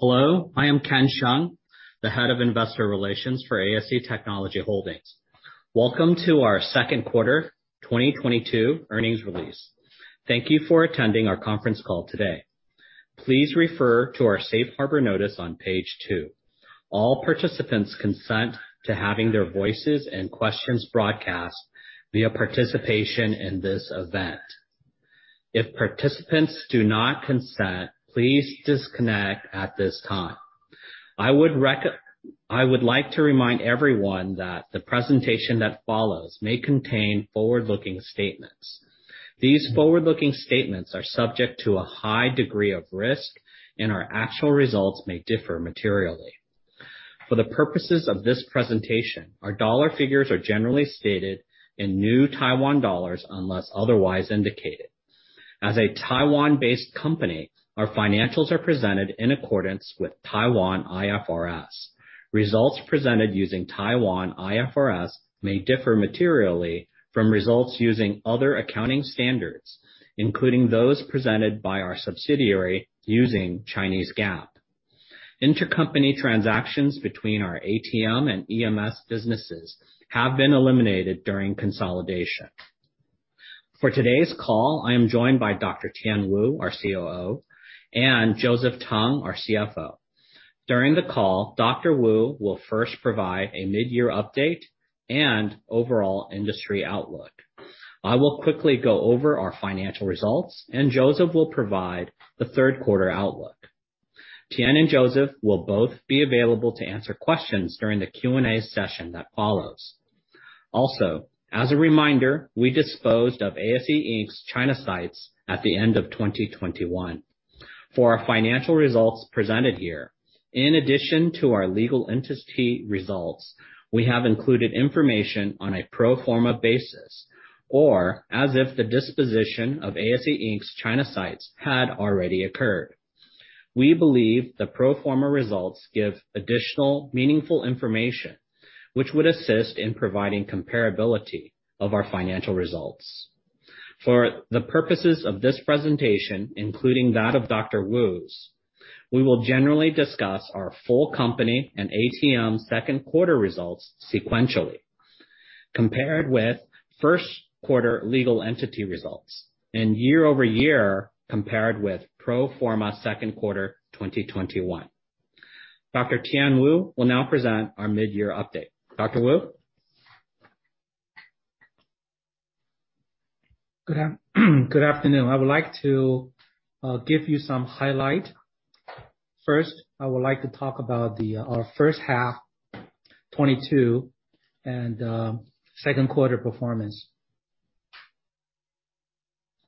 Hello, I am Ken Hsiang, the Head of Investor Relations for ASE Technology Holding. Welcome to our second quarter 2022 earnings release. Thank you for attending our conference call today. Please refer to our safe harbor notice on page two. All participants consent to having their voices and questions broadcast via participation in this event. If participants do not consent, please disconnect at this time. I would like to remind everyone that the presentation that follows may contain forward-looking statements. These forward-looking statements are subject to a high degree of risk, and our actual results may differ materially. For the purposes of this presentation, our dollar figures are generally stated in New Taiwan dollars, unless otherwise indicated. As a Taiwan-based company, our financials are presented in accordance with Taiwan IFRS. Results presented using Taiwan IFRS may differ materially from results using other accounting standards, including those presented by our subsidiary using Chinese GAAP. Intercompany transactions between our ATM and EMS businesses have been eliminated during consolidation. For today's call, I am joined by Dr. Tien Wu, our COO, and Joseph Tung, our CFO. During the call, Dr. Wu will first provide a mid-year update and overall industry outlook. I will quickly go over our financial results, and Joseph will provide the third quarter outlook. Tien and Joseph will both be available to answer questions during the Q&A session that follows. Also, as a reminder, we disposed of ASE, Inc.'s China sites at the end of 2021. For our financial results presented here, in addition to our legal entity results, we have included information on a pro forma basis, or as if the disposition of ASE, Inc.'s China sites had already occurred. We believe the pro forma results give additional meaningful information, which would assist in providing comparability of our financial results. For the purposes of this presentation, including that of Dr. Wu's, we will generally discuss our full company and ATM second quarter results sequentially, compared with first quarter legal entity results and year-over-year compared with pro forma second quarter 2021. Dr. Tien Wu will now present our mid-year update. Dr. Wu? Good afternoon. I would like to give you some highlight. First, I would like to talk about our first half 2022 and second quarter performance.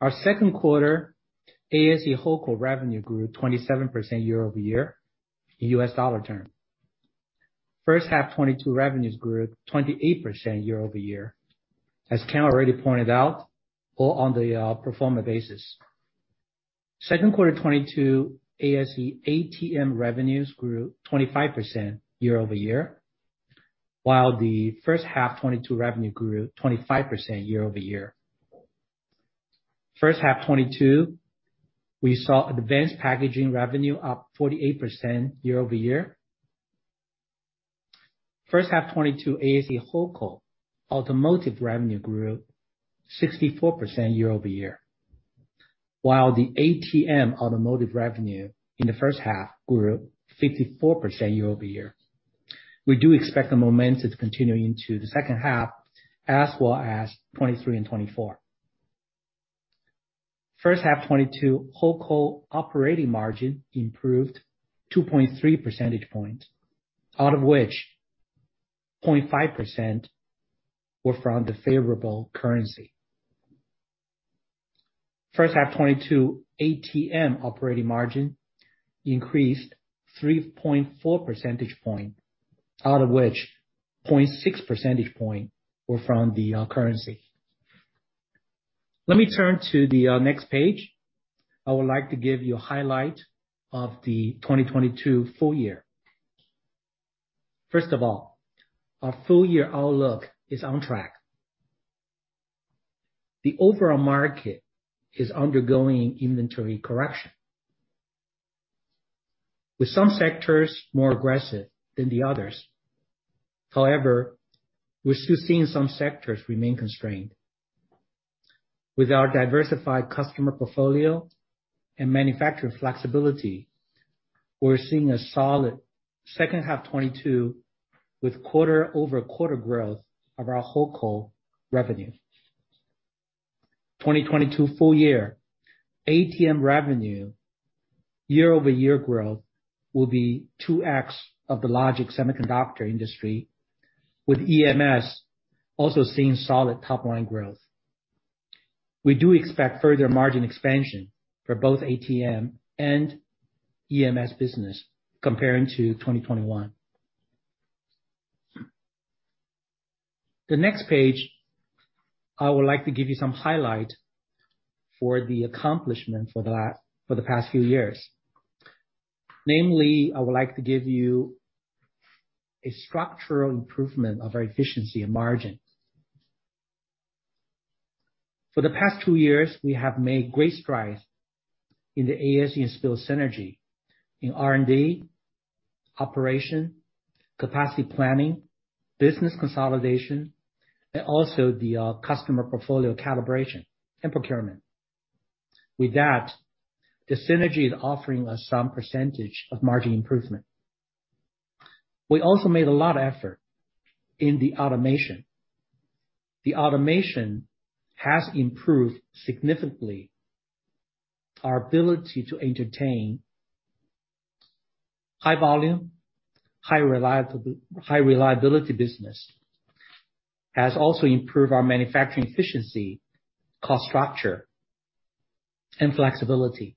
Our second quarter ASE Hold Co revenue grew 27% year-over-year in US dollar term. First half 2022 revenues grew 28% year-over-year. As Ken already pointed out, all on the pro forma basis. Second quarter 2022 ASE ATM revenues grew 25% year-over-year, while the first half 2022 revenue grew 25% year-over-year. First half 2022, we saw Advanced Packaging revenue up 48% year-over-year. First half 2022 ASE Hold Co automotive revenue grew 64% year-over-year, while the ATM automotive revenue in the first half grew 54% year-over-year. We do expect the momentum to continue into the second half, as well as 2023 and 2024. First half 2022 Hold Co operating margin improved 2.3 percentage points, out of which 0.5 percentage points were from the favorable currency. First half 2022 ATM operating margin increased 3.4 percentage points, out of which 0.6 percentage points were from the currency. Let me turn to the next page. I would like to give you a highlight of the 2022 full year. First of all, our full year outlook is on track. The overall market is undergoing inventory correction, with some sectors more aggressive than the others. However, we're still seeing some sectors remain constrained. With our diversified customer portfolio and manufacturing flexibility, we're seeing a solid second half 2022 with quarter-over-quarter growth of our Hold Co revenue. 2022 full year ATM revenue year-over-year growth will be 2x of the logic semiconductor industry, with EMS also seeing solid top-line growth. We do expect further margin expansion for both ATM and EMS business comparing to 2021. The next page, I would like to give you some highlight for the accomplishment for the past few years. Namely, I would like to give you a structural improvement of our efficiency and margin. For the past two years, we have made great strides in the ASE and SPIL synergy in R&D, operation, capacity planning, business consolidation, and also the customer portfolio calibration and procurement. With that, the synergy is offering us some percentage of margin improvement. We also made a lot of effort in the automation. The automation has improved significantly our ability to entertain high volume, high reliability business. Has also improved our manufacturing efficiency, cost structure, and flexibility.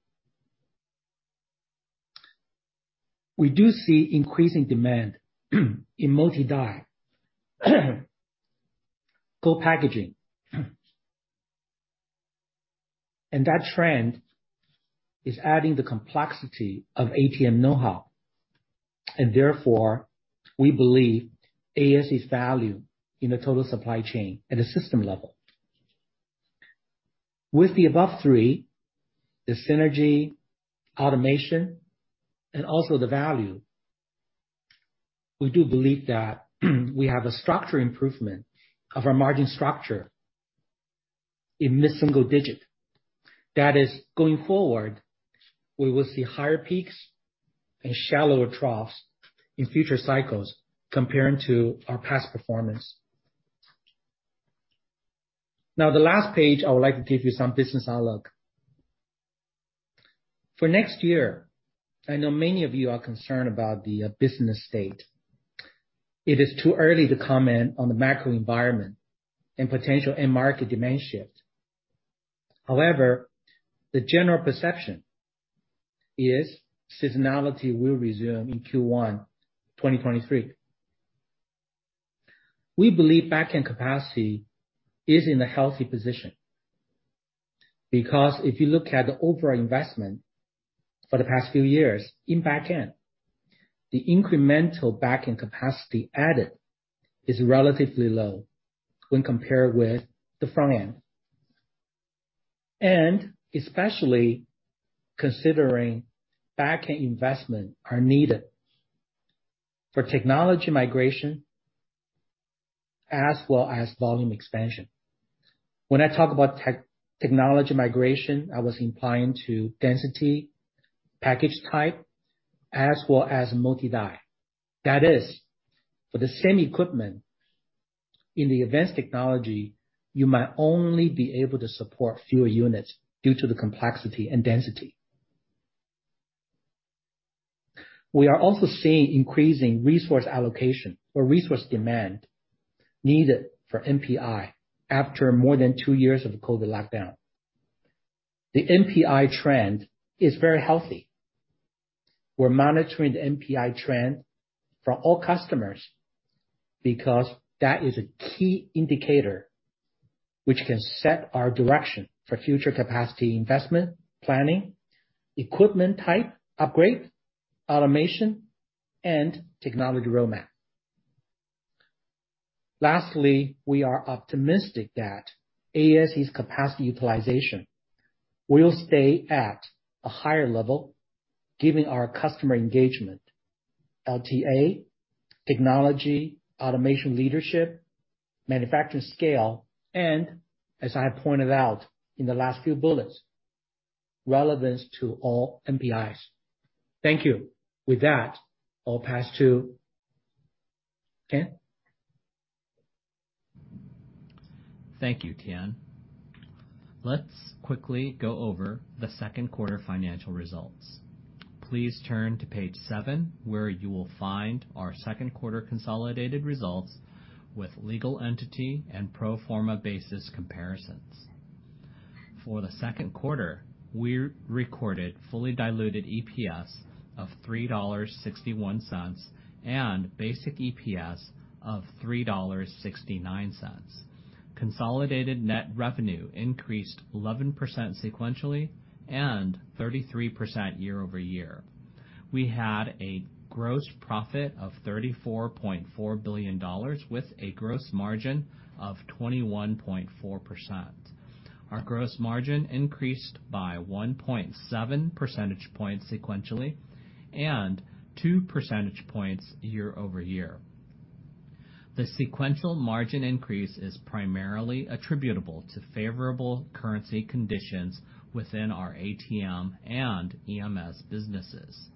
We do see increasing demand in multi-die co-packaging. That trend is adding the complexity of ATM know-how, and therefore, we believe ASE's value in the total supply chain at a system level. With the above three, the synergy, automation, and also the value, we do believe that we have a structure improvement of our margin structure in mid-single-digit. That is, going forward, we will see higher peaks and shallower troughs in future cycles comparing to our past performance. Now, the last page, I would like to give you some business outlook. For next year, I know many of you are concerned about the business state. It is too early to comment on the macro environment and potential end market demand shift. However, the general perception is seasonality will resume in Q1 2023. We believe backend capacity is in a healthy position. Because if you look at the overall investment for the past few years in backend, the incremental backend capacity added is relatively low when compared with the front end. Especially considering backend investment are needed for technology migration as well as volume expansion. When I talk about technology migration, I was implying to density, package type, as well as multi-die. That is, for the same equipment in the advanced technology, you might only be able to support fewer units due to the complexity and density. We are also seeing increasing resource allocation or resource demand needed for NPI after more than two years of COVID lockdown. The NPI trend is very healthy. We're monitoring the NPI trend for all customers because that is a key indicator which can set our direction for future capacity investment, planning, equipment type, upgrade, automation, and technology roadmap. Lastly, we are optimistic that ASE's capacity utilization will stay at a higher level given our customer engagement, LTA, technology, automation leadership, manufacturing scale, and as I have pointed out in the last few bullets, relevance to all NPIs. Thank you. With that, I'll pass to Ken. Thank you, Tien. Let's quickly go over the second quarter financial results. Please turn to page seven, where you will find our second quarter consolidated results with legal entity and pro forma basis comparisons. For the second quarter, we recorded fully diluted EPS of 3.61 dollars and basic EPS of 3.69 dollars. Consolidated net revenue increased 11% sequentially and 33% year-over-year. We had a gross profit of 34.4 billion dollars with a gross margin of 21.4%. Our gross margin increased by 1.7 percentage points sequentially and 2 percentage points year-over-year. The sequential margin increase is primarily attributable to favorable currency conditions within our ATM and EMS businesses.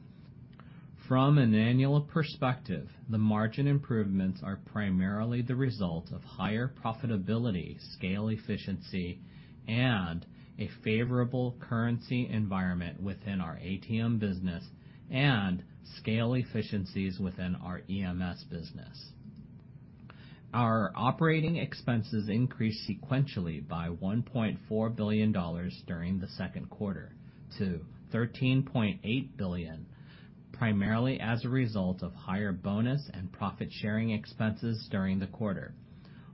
From an annual perspective, the margin improvements are primarily the result of higher profitability, scale efficiency, and a favorable currency environment within our ATM business and scale efficiencies within our EMS business. Our operating expenses increased sequentially by 1.4 billion dollars during the second quarter to 13.8 billion, primarily as a result of higher bonus and profit sharing expenses during the quarter.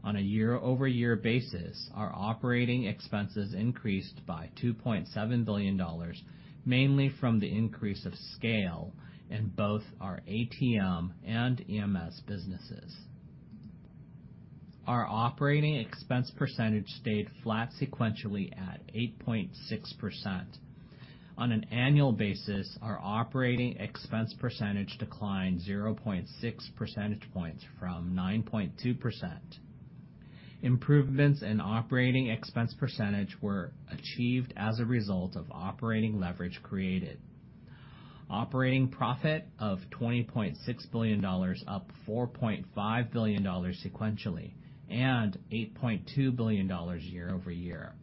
On a year-over-year basis, our operating expenses increased by 2.7 billion dollars, mainly from the increase of scale in both our ATM and EMS businesses. Our operating expense percentage stayed flat sequentially at 8.6%. On an annual basis, our operating expense percentage declined 0.6 percentage points from 9.2%. Improvements in operating expense percentage were achieved as a result of operating leverage created. Operating profit of 20.6 billion dollars, up 4.5 billion dollars sequentially and 8.2 billion dollars year-over-year.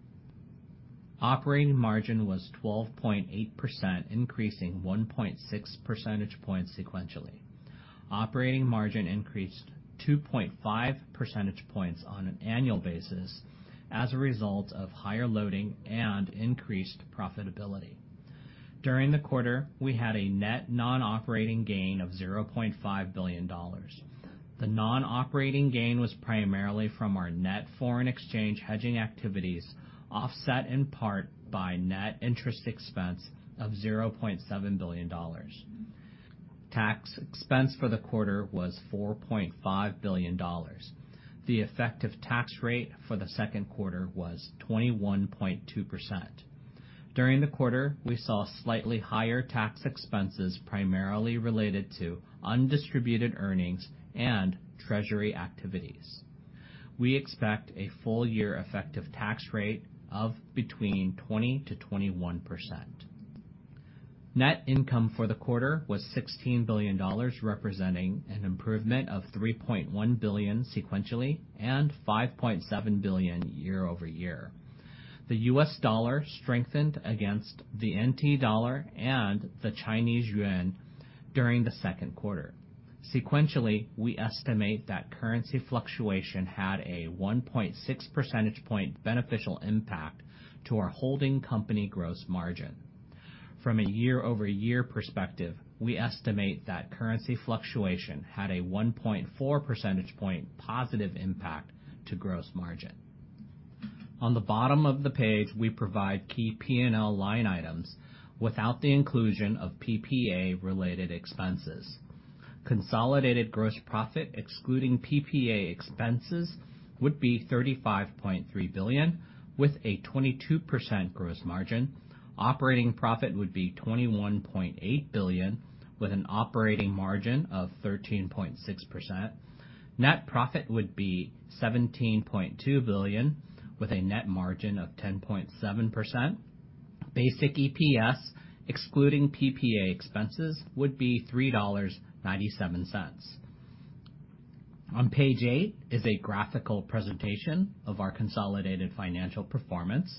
Operating margin was 12.8%, increasing 1.6 percentage points sequentially. Operating margin increased 2.5 percentage points on an annual basis as a result of higher loading and increased profitability. During the quarter, we had a net non-operating gain of 0.5 billion dollars. The non-operating gain was primarily from our net foreign exchange hedging activities, offset in part by net interest expense of 0.7 billion dollars. Tax expense for the quarter was 4.5 billion dollars. The effective tax rate for the second quarter was 21.2%. During the quarter, we saw slightly higher tax expenses, primarily related to undistributed earnings and treasury activities. We expect a full year effective tax rate of between 20%-21%. Net income for the quarter was TWD 16 billion, representing an improvement of TWD 3.1 billion sequentially and TWD 5.7 billion year-over-year. The US dollar strengthened against the NT dollar and the Chinese yuan during the second quarter. Sequentially, we estimate that currency fluctuation had a 1.6 percentage point beneficial impact to our holding company gross margin. From a year-over-year perspective, we estimate that currency fluctuation had a 1.4 percentage point positive impact to gross margin. On the bottom of the page, we provide key P&L line items without the inclusion of PPA-related expenses. Consolidated gross profit excluding PPA expenses would be 35.3 billion with a 22% gross margin. Operating profit would be 21.8 billion with an operating margin of 13.6%. Net profit would be 17.2 billion with a net margin of 10.7%. Basic EPS excluding PPA expenses would be 3.97 dollars. On page eight is a graphical presentation of our consolidated financial performance.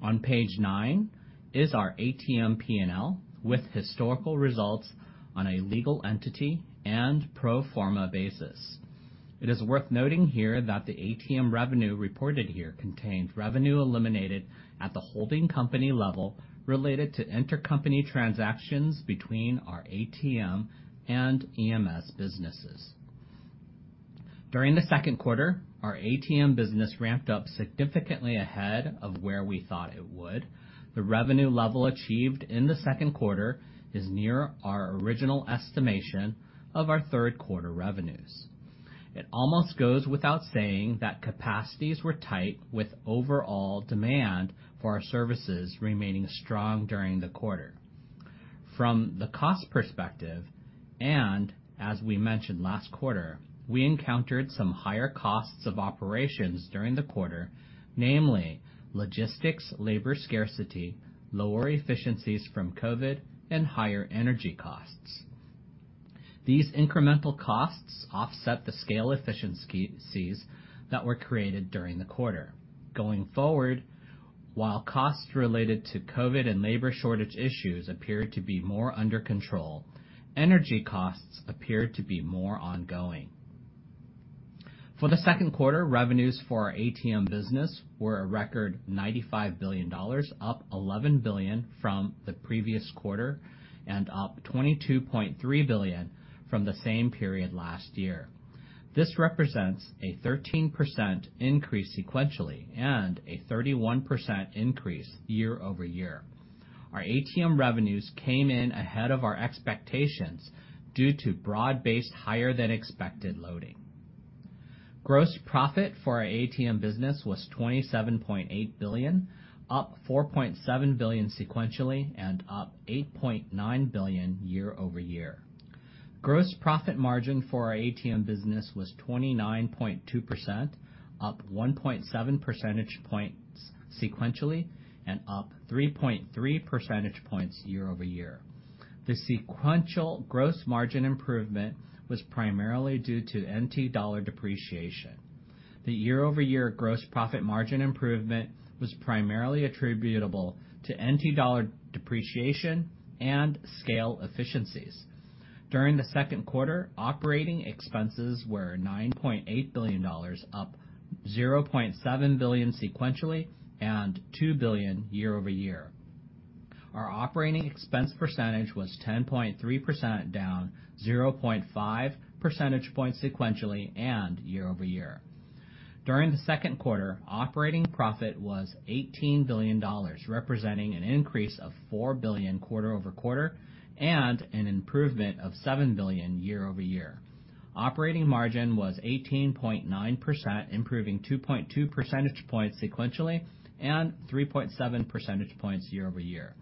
On page nine is our ATM P&L with historical results on a legal entity and pro forma basis. It is worth noting here that the ATM revenue reported here contains revenue eliminated at the holding company level related to intercompany transactions between our ATM and EMS businesses. During the second quarter, our ATM business ramped up significantly ahead of where we thought it would. The revenue level achieved in the second quarter is near our original estimation of our third quarter revenues. It almost goes without saying that capacities were tight with overall demand for our services remaining strong during the quarter. From the cost perspective, and as we mentioned last quarter, we encountered some higher costs of operations during the quarter, namely logistics, labor scarcity, lower efficiencies from COVID, and higher energy costs. These incremental costs offset the scale efficiencies that were created during the quarter. Going forward, while costs related to COVID and labor shortage issues appear to be more under control, energy costs appear to be more ongoing. For the second quarter, revenues for our ATM business were a record 95 billion dollars, up 11 billion from the previous quarter and up 22.3 billion from the same period last year. This represents a 13% increase sequentially and a 31% increase year-over-year. Our ATM revenues came in ahead of our expectations due to broad-based higher than expected loading. Gross profit for our ATM business was 27.8 billion, up 4.7 billion sequentially and up 8.9 billion year-over-year. Gross profit margin for our ATM business was 29.2%, up 1.7 percentage points sequentially and up 3.3 percentage points year-over-year. The sequential gross margin improvement was primarily due to NT dollar depreciation. The year-over-year gross profit margin improvement was primarily attributable to NT dollar depreciation and scale efficiencies. During the second quarter, operating expenses were 9.8 billion dollars, up 0.7 billion sequentially and 2 billion year-over-year. Our operating expense percentage was 10.3%, down 0.5 percentage points sequentially and year-over-year. During the second quarter, operating profit was 18 billion dollars, representing an increase of 4 billion quarter-over-quarter and an improvement of 7 billion year-over-year. Operating margin was 18.9%, improving 2.2 percentage points sequentially and 3.7 percentage points year-over-year.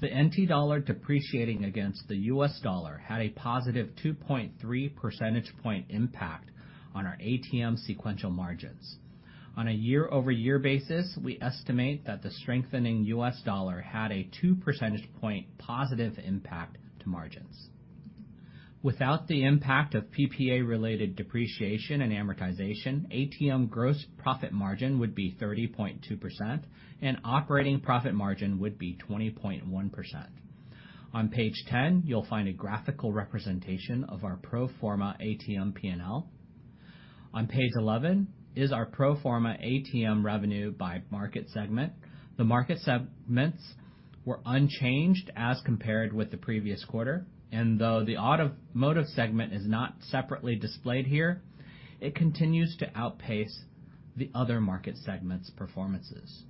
The NT dollar depreciating against the US dollar had a positive 2.3 percentage point impact on our ATM sequential margins. On a year-over-year basis, we estimate that the strengthening US dollar had a 2 percentage point positive impact to margins. Without the impact of PPA-related depreciation and amortization, ATM gross profit margin would be 30.2% and operating profit margin would be 20.1%. On page 10, you'll find a graphical representation of our pro forma ATM P&L. On page 11 is our pro forma ATM revenue by market segment. The market segments were unchanged as compared with the previous quarter, and though the automotive segment is not separately displayed here, it continues to outpace the other market segments performances.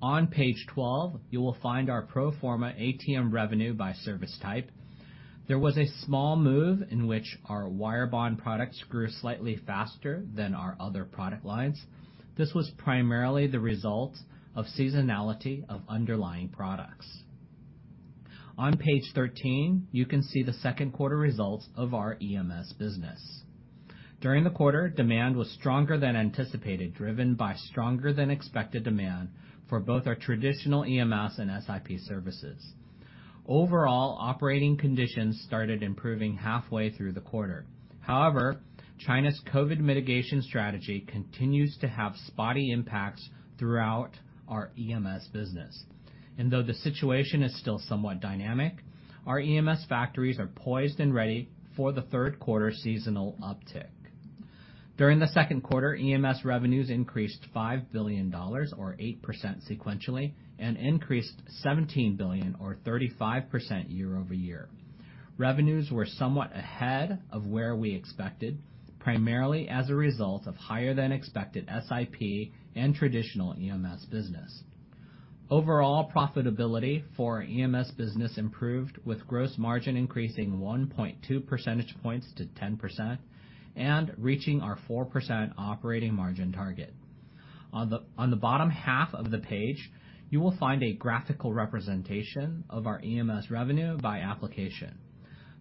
On page 12, you will find our pro forma ATM revenue by service type. There was a small move in which our wire bond products grew slightly faster than our other product lines. This was primarily the result of seasonality of underlying products. On page 13, you can see the second quarter results of our EMS business. During the quarter, demand was stronger than anticipated, driven by stronger than expected demand for both our traditional EMS and SIP services. Overall, operating conditions started improving halfway through the quarter. However, China's COVID mitigation strategy continues to have spotty impacts throughout our EMS business. Though the situation is still somewhat dynamic, our EMS factories are poised and ready for the third quarter seasonal uptick. During the second quarter, EMS revenues increased 5 billion dollars or 8% sequentially, and increased 17 billion or 35% year-over-year. Revenues were somewhat ahead of where we expected, primarily as a result of higher than expected SIP and traditional EMS business. Overall profitability for our EMS business improved, with gross margin increasing 1.2 percentage points to 10% and reaching our 4% operating margin target. On the bottom half of the page, you will find a graphical representation of our EMS revenue by application.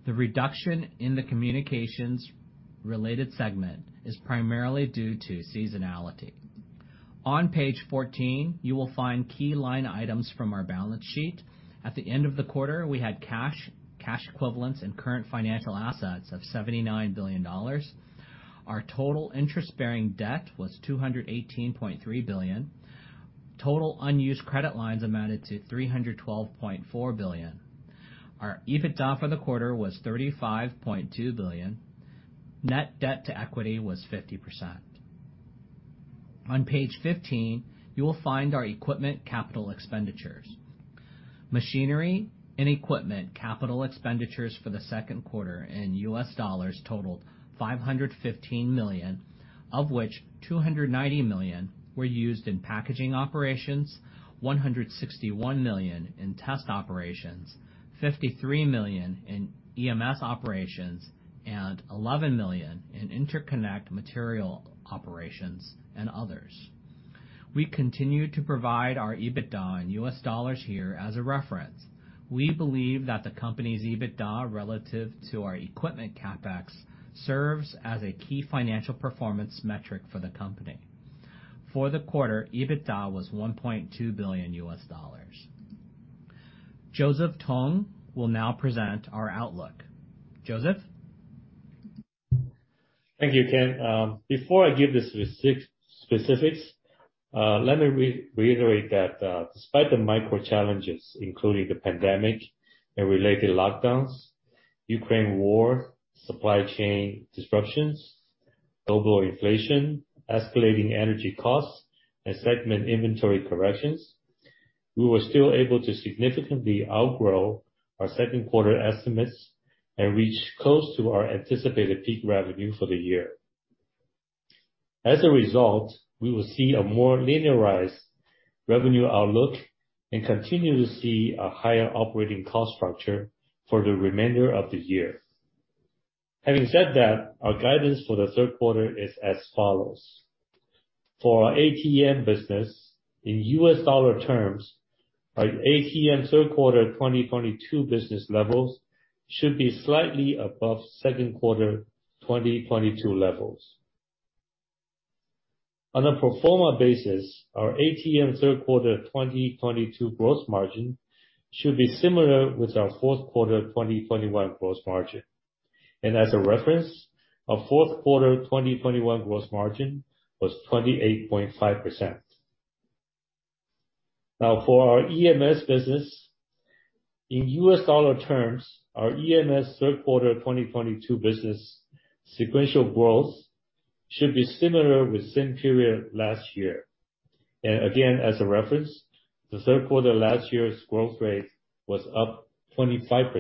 The reduction in the communications-related segment is primarily due to seasonality. On page 14, you will find key line items from our balance sheet. At the end of the quarter, we had cash equivalents, and current financial assets of TWD 79 billion. Our total interest-bearing debt was 218.3 billion. Total unused credit lines amounted to 312.4 billion. Our EBITDA for the quarter was 35.2 billion. Net debt to equity was 50%. On page 15, you will find our equipment capital expenditures. Machinery and equipment capital expenditures for the second quarter in US dollars totaled $515 million, of which $290 million were used in packaging operations, $161 million in test operations, $53 million in EMS operations, and $11 million in interconnect material operations and others. We continue to provide our EBITDA in US dollars here as a reference. We believe that the company's EBITDA relative to our equipment CapEx serves as a key financial performance metric for the company. For the quarter, EBITDA was $1.2 billion. Joseph Tung will now present our outlook. Joseph? Thank you, Ken. Before I give the specifics, let me reiterate that, despite the macro challenges, including the pandemic and related lockdowns, Ukraine war, supply chain disruptions, global inflation, escalating energy costs, and segment inventory corrections, we were still able to significantly outgrow our second quarter estimates and reach close to our anticipated peak revenue for the year. As a result, we will see a more linearized revenue outlook and continue to see a higher operating cost structure for the remainder of the year. Having said that, our guidance for the third quarter is as follows. For our ATM business, in US dollar terms, our ATM third quarter 2022 business levels should be slightly above second quarter 2022 levels. On a pro forma basis, our ATM third quarter 2022 gross margin should be similar with our fourth quarter 2021 gross margin. As a reference, our fourth quarter 2021 gross margin was 28.5%. Now, for our EMS business, in US dollar terms, our EMS third quarter 2022 business sequential growth should be similar with same period last year. Again, as a reference, the third quarter last year's growth rate was up 25%.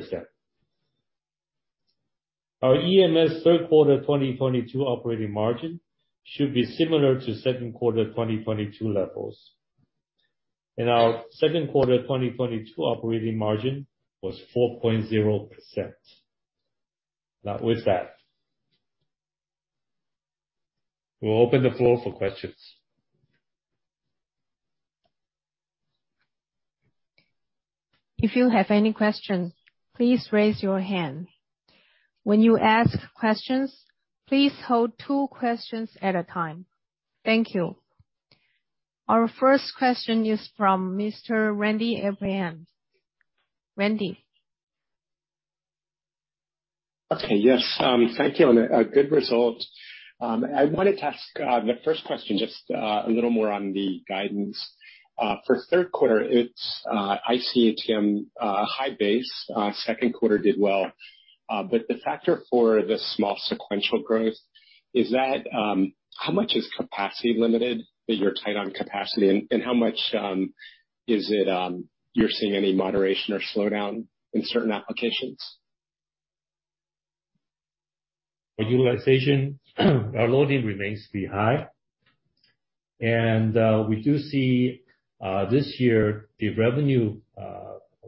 Our EMS third quarter 2022 operating margin should be similar to second quarter 2022 levels. Our second quarter 2022 operating margin was 4.0%. Now, with that, we'll open the floor for questions. If you have any questions, please raise your hand. When you ask questions, please hold two questions at a time. Thank you. Our first question is from Mr. Randy Abrams. Randy. Okay. Yes, thank you. A good result. I wanted to ask the first question just a little more on the guidance. For third quarter, it's, I see ATM high base. Second quarter did well. The factor for the small sequential growth is that how much is capacity limited, that you're tight on capacity? How much is it you're seeing any moderation or slowdown in certain applications? Our utilization, our loading remains to be high. We do see, this year, the revenue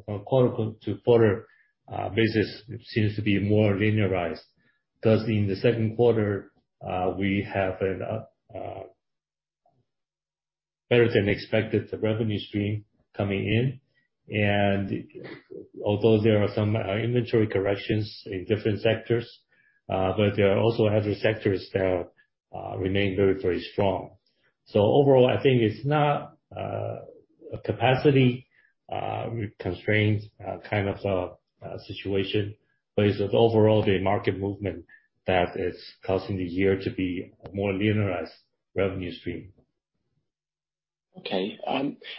from a quarter-to-quarter basis seems to be more linearized. Because in the second quarter, we have better than expected revenue stream coming in. Although there are some inventory corrections in different sectors, but there are also other sectors that remain very, very strong. Overall, I think it's not a capacity constraints kind of situation, but it's the overall market movement that is causing the year to be a more linearized revenue stream. Okay.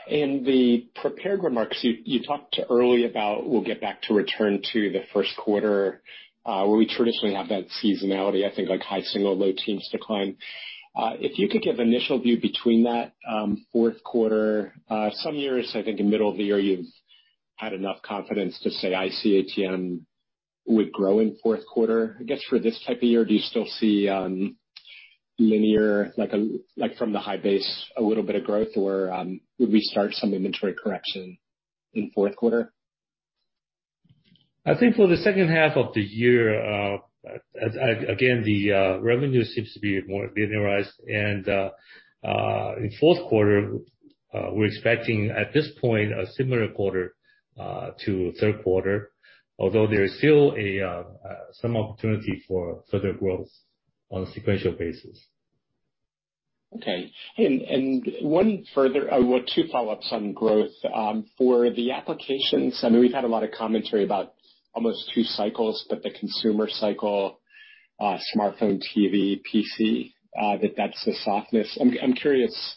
In the prepared remarks you talked earlier about we'll get back to return to the first quarter, where we traditionally have that seasonality. I think like high single, low teens decline. If you could give initial view between that, fourth quarter. Some years, I think in middle of the year, you've had enough confidence to say, I see ATM would grow in fourth quarter. I guess for this type of year, do you still see linear like a, like from the high base, a little bit of growth? Or, would we start some inventory correction in fourth quarter? I think for the second half of the year, again, the revenue seems to be more linearized. In fourth quarter, we're expecting at this point a similar quarter to third quarter, although there is still some opportunity for further growth on a sequential basis. Okay. One further or two follow-ups on growth. For the applications, I mean, we've had a lot of commentary about almost two cycles, but the consumer cycle, smartphone, TV, PC, that's the softness. I'm curious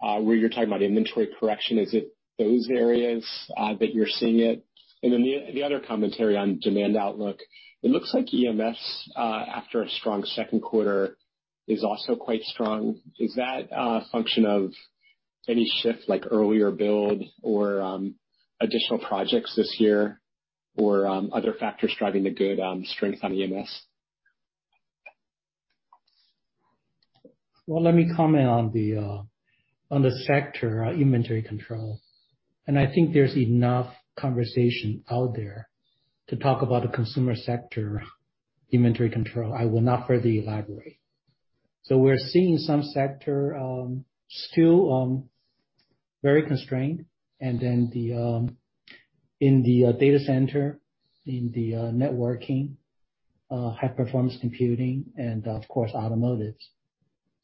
where you're talking about inventory correction, is it those areas that you're seeing it? Then the other commentary on demand outlook. It looks like EMS after a strong second quarter, is also quite strong. Is that function of any shift like earlier build or additional projects this year or other factors driving the good strength on EMS? Well, let me comment on the sector inventory control, and I think there's enough conversation out there to talk about the consumer sector inventory control. I will not further elaborate. We're seeing some sector still very constrained. Then in the data center, in the networking, high performance computing and of course, automotives.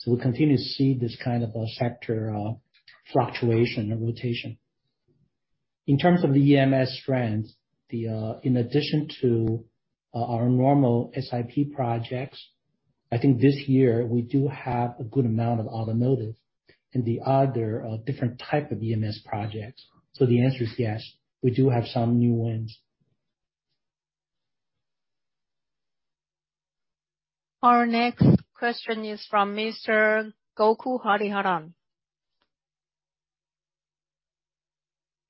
We continue to see this kind of a sector fluctuation or rotation. In terms of the EMS trends, in addition to our normal SIP projects, I think this year we do have a good amount of automotive and the other different type of EMS projects. The answer is yes, we do have some new wins. Our next question is from Mr. Gokul Hariharan.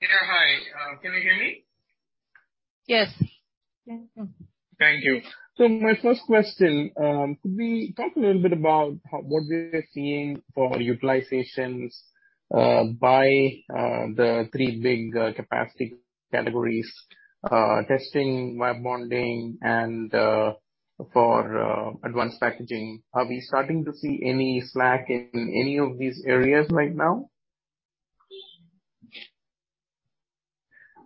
Yeah. Hi. Can you hear me? Yes. Thank you. My first question, could we talk a little bit about what we are seeing for utilizations by the three big capacity categories, testing, wire bonding, and for Advanced Packaging. Are we starting to see any slack in any of these areas right now?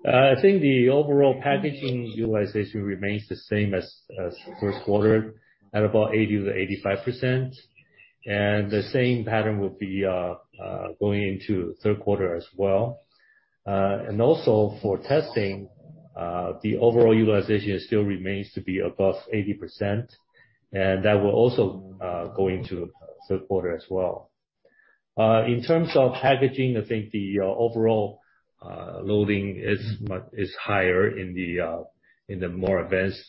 I think the overall packaging utilization remains the same as first quarter at about 80%-85%. The same pattern will be going into third quarter as well. For testing, the overall utilization still remains to be above 80%, and that will also go into third quarter as well. In terms of packaging, I think the overall loading is higher in the more Advanced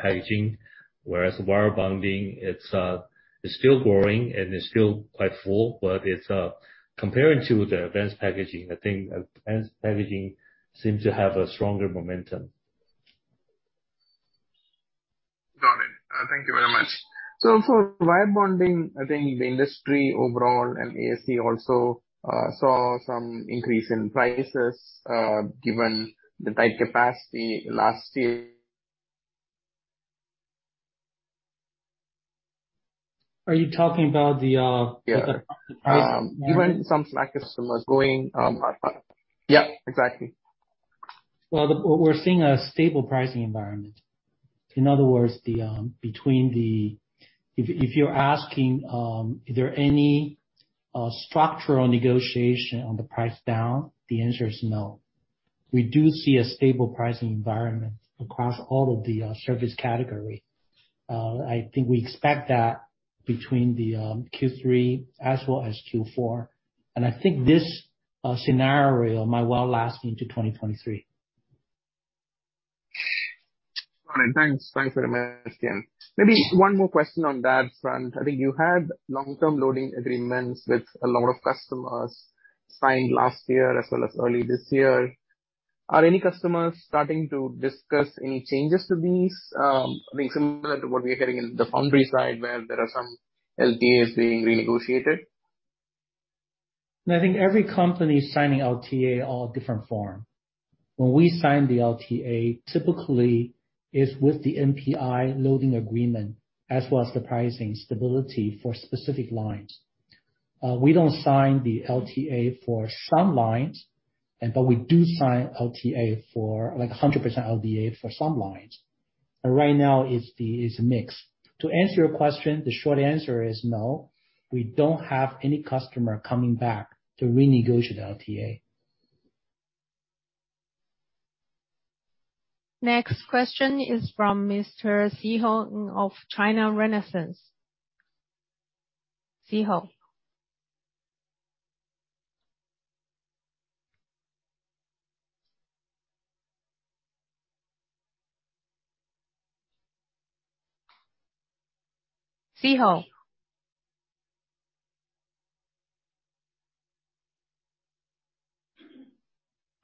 Packaging. Whereas wire bonding, it's still growing and it's still quite full. It's comparing to the Advanced Packaging. I think Advanced Packaging seems to have a stronger momentum. Got it. Thank you very much. Also wire bonding, I think the industry overall and ASE also saw some increase in prices, given the tight capacity last year. Are you talking about the? Yeah. Given some customers going. Yeah, exactly. Well, we're seeing a stable pricing environment. In other words, if you're asking, is there any structural negotiation on the price down, the answer is no. We do see a stable pricing environment across all of the service category. I think we expect that between Q3 as well as Q4. I think this scenario might well last into 2023. All right. Thanks. Thanks very much, Tien. Maybe one more question on that front. I think you had long-term loading agreements with a lot of customers signed last year as well as early this year. Are any customers starting to discuss any changes to these, being similar to what we are getting in the foundry side, where there are some LTAs being renegotiated? I think every company signing LTA are different form. When we sign the LTA, typically it's with the NPI loading agreement as well as the pricing stability for specific lines. We don't sign the LTA for some lines, but we do sign LTA for like 100% LTA for some lines. Right now it's a mix. To answer your question, the short answer is no, we don't have any customer coming back to renegotiate LTA. Next question is from Mr. Szeho Ng of China Renaissance. Szeho Ng? Szeho Ng?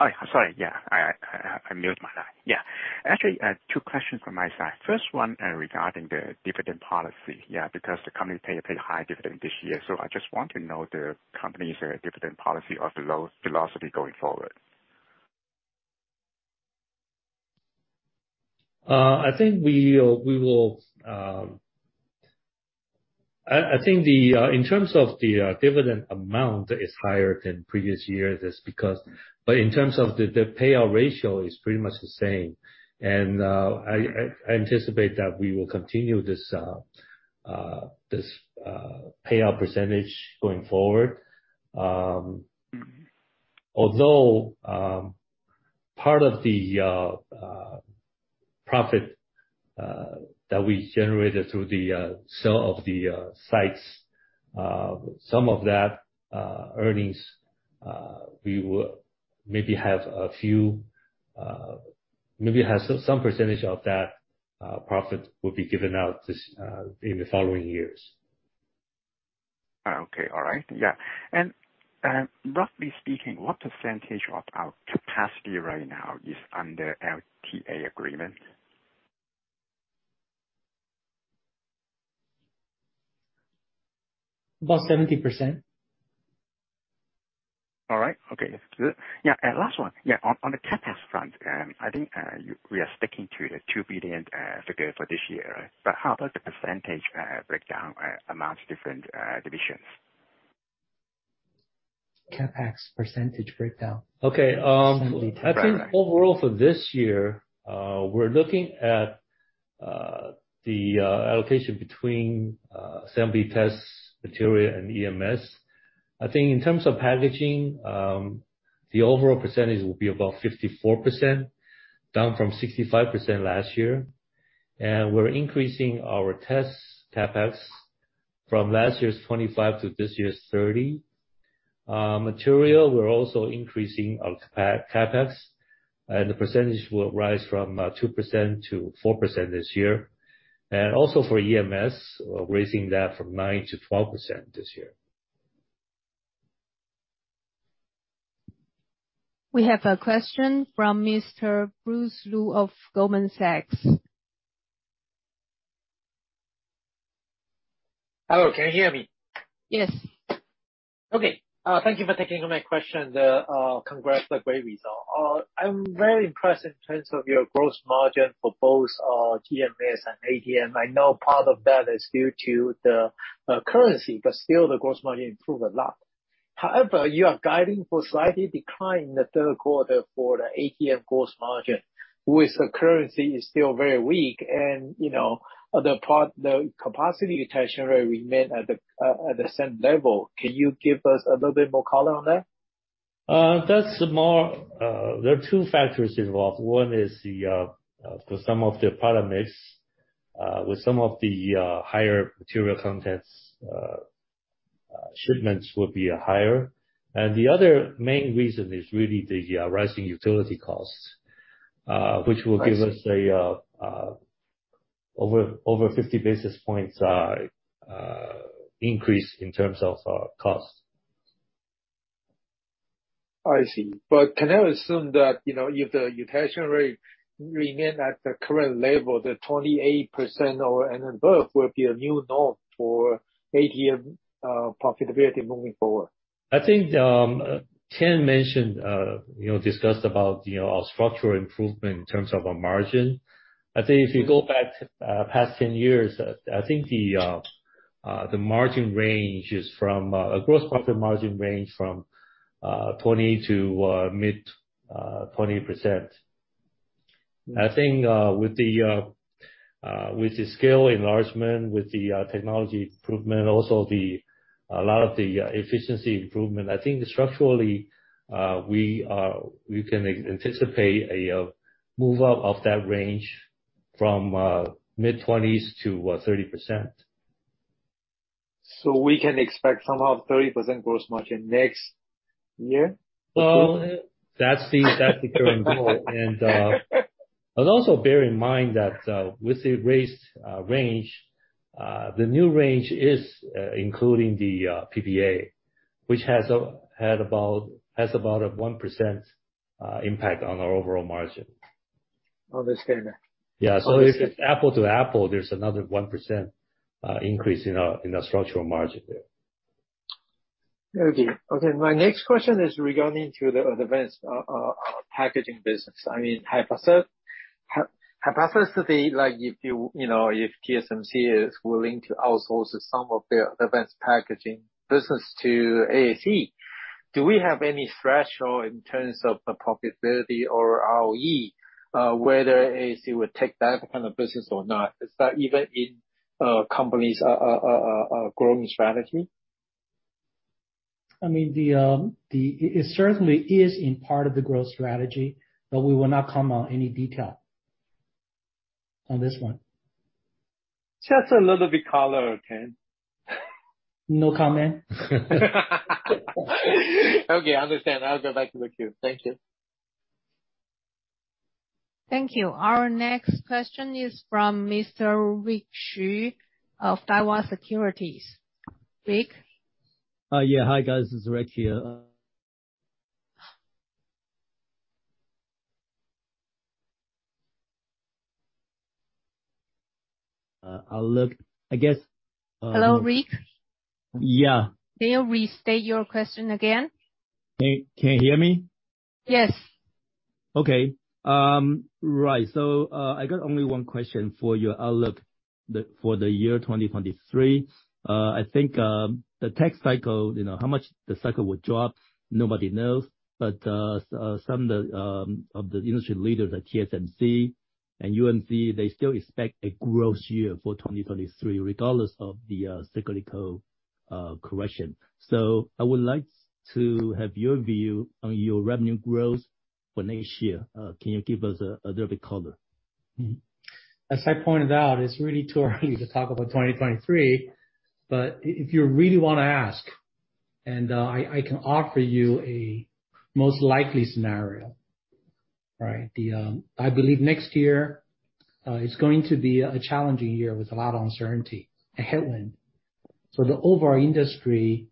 Hi. Sorry. Yeah. I muted my line. Yeah. Actually, two questions from my side. First one, regarding the dividend policy, yeah, because the company pay a pretty high dividend this year. I just want to know the company's dividend policy or philosophy going forward. I think in terms of the dividend amount is higher than previous years is because in terms of the payout ratio is pretty much the same. I anticipate that we will continue this payout percentage going forward. Although part of the profit that we generated through the sale of the sites, some of that earnings, we will maybe have some percentage of that profit will be given out this in the following years. Okay. All right. Yeah. Roughly speaking, what percentage of our capacity right now is under LTA agreement? About 70%. All right. Okay. That's good. Yeah, last one. Yeah, on the CapEx front, I think we are sticking to the 2 billion figure for this year, but how about the percentage breakdown among different divisions? CapEx percentage breakdown. Okay. I think overall for this year, we're looking at the allocation between assembly tests, material and EMS. I think in terms of packaging, the overall percentage will be about 54%, down from 65% last year. We're increasing our tests CapEx from last year's 25% to this year's 30%. Material, we're also increasing our CapEx, and the percentage will rise from 2% to 4% this year. For EMS, we're raising that from 9% to 12% this year. We have a question from Mr. Bruce Lu of Goldman Sachs. Hello, can you hear me? Yes. Okay. Thank you for taking my question. The congrats, great result. I'm very impressed in terms of your gross margin for both EMS and ATM. I know part of that is due to the currency, but still the gross margin improved a lot. However, you are guiding for slightly decline in the third quarter for the ATM gross margin, with the currency is still very weak and, you know, the capacity utilization rate remain at the same level. Can you give us a little bit more color on that? That's more. There are two factors involved. One is, for some of the product mix with some of the higher material contents, shipments will be higher. The other main reason is really the rising utility costs. I see. Which will give us over 50 basis points increase in terms of cost. I see. Can I assume that, you know, if the utilization rate remain at the current level, the 28% and above will be a new norm for ATM profitability moving forward? I think Ken mentioned, you know, our structural improvement in terms of our margin. I think if you go back past 10 years, I think the gross profit margin range is from 20% to mid-20%. I think with the scale enlargement, with the technology improvement, also a lot of the efficiency improvement, I think structurally we can anticipate a move out of that range from mid-20s to 30%. We can expect somehow 30% gross margin next year? Well, that's the current goal. Also bear in mind that with the raised range, the new range is including the PPA, which has about a 1% impact on our overall margin. Understand. Yeah. Understand. If it's apples to apples, there's another 1% increase in our structural margin there. Okay. My next question is regarding the Advanced Packaging business. I mean, hypothesis as to the, like, if you know, if TSMC is willing to outsource some of their Advanced Packaging business to ASE, do we have any threshold in terms of the profitability or ROE whether ASE would take that kind of business or not? Is that even in the company's growing strategy? I mean, it certainly is a part of the growth strategy, but we will not comment on any detail on this one. Just a little bit of color, Tien. No comment. Okay. I understand. I'll go back to the queue. Thank you. Thank you. Our next question is from Mr. Rick Hsu of Daiwa Securities. Rick? Yeah. Hi, guys. This is Rick here. I'll look, I guess. Hello, Rick? Yeah. May you restate your question again? Can you hear me? Yes. Okay. Right. I got only one question for you. Outlook for the year 2023. I think the tech cycle, you know, how much the cycle will drop, nobody knows. Some of the industry leaders like TSMC and UMC, they still expect a growth year for 2023, regardless of the cyclical correction. I would like to have your view on your revenue growth for next year. Can you give us a little bit color? As I pointed out, it's really too early to talk about 2023. If you really wanna ask, and, I can offer you a most likely scenario. Right? I believe next year is going to be a challenging year with a lot of uncertainty and headwind. For the overall industry,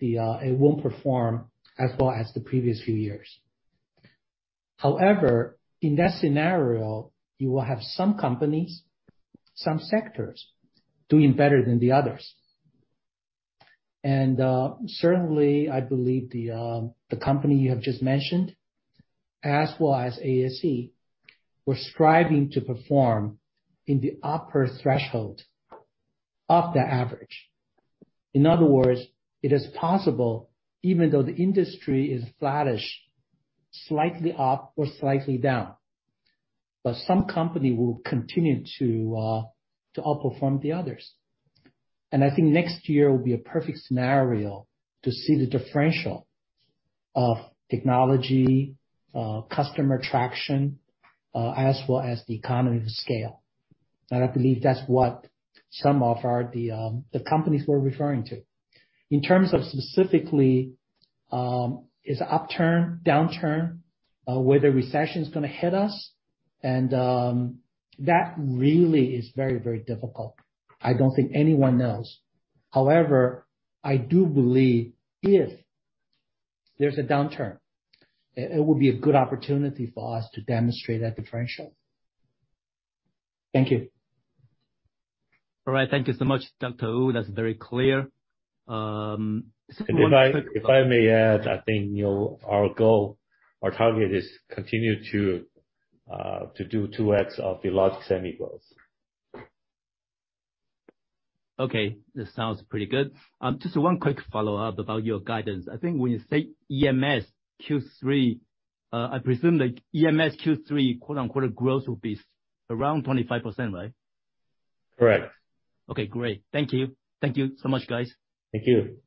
it won't perform as well as the previous few years. However, in that scenario, you will have some companies, some sectors doing better than the others. Certainly, I believe the company you have just mentioned, as well as ASE, we're striving to perform in the upper threshold of the average. In other words, it is possible, even though the industry is flattish, slightly up or slightly down. Some company will continue to outperform the others. I think next year will be a perfect scenario to see the differential of technology, customer traction, as well as the economy of scale. I believe that's what some of the companies we're referring to. In terms of specifically the upturn, downturn, whether recession is gonna hit us, and that really is very, very difficult. I don't think anyone knows. However, I do believe if there's a downturn, it would be a good opportunity for us to demonstrate that differential. Thank you. All right. Thank you so much, Dr. Wu. That's very clear. If I may add, I think, you know, our goal, our target is continue to do 2x of the logic semi growth. Okay. This sounds pretty good. Just one quick follow-up about your guidance. I think when you state EMS Q3, I presume that EMS Q3, quote-unquote, growth will be around 25%, right? Correct. Okay, great. Thank you. Thank you so much, guys. Thank you.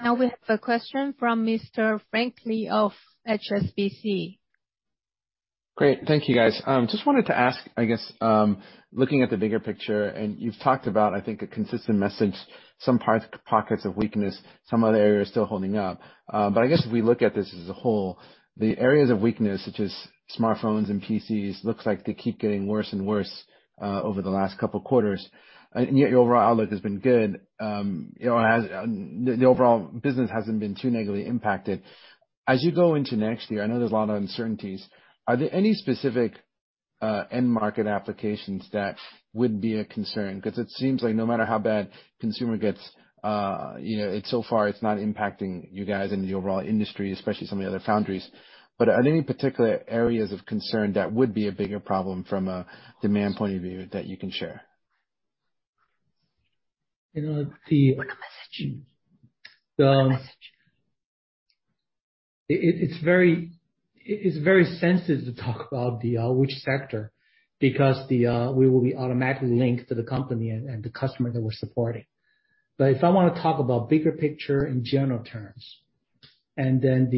Now we have a question from Mr. Frank Lee of HSBC. Great. Thank you guys. Just wanted to ask, I guess, looking at the bigger picture, and you've talked about, I think, a consistent message, some pockets of weakness, some other areas still holding up. But I guess if we look at this as a whole, the areas of weakness, such as smartphones and PCs, looks like they keep getting worse and worse over the last couple quarters. Yet your overall outlook has been good. You know, the overall business hasn't been too negatively impacted. As you go into next year, I know there's a lot of uncertainties, are there any specific end market applications that would be a concern? Because it seems like no matter how bad consumer gets, you know, it's so far it's not impacting you guys in the overall industry, especially some of the other foundries. Are there any particular areas of concern that would be a bigger problem from a demand point of view that you can share? You know, it's very sensitive to talk about which sector, because we will be automatically linked to the company and the customer that we're supporting. If I wanna talk about bigger picture in general terms, and then